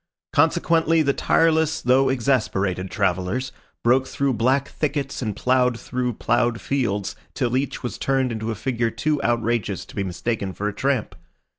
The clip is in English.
Consequently the tireless though exasperated travellers broke through black thickets and ploughed through ploughed fields till each was turned into a figure too outrageous to be mistaken for a tramp.